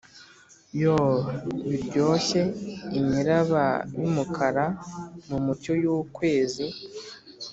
(yoo, biryoshye, imiraba yumukara mumucyo yukwezi!)